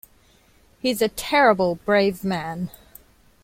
He's a terrible brave man!